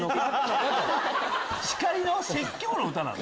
叱りの説教の歌なの？